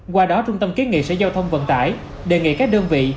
qua đó trung tâm kiến nghị sở giao thông vận tải đề nghị các đơn vị